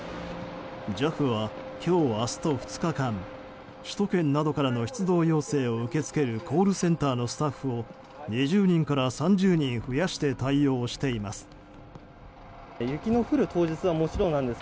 ＪＡＦは今日明日と２日間首都圏などからの出動要請を受け付けるコールセンターのスタッフを２０人から３０人増やして対応しています。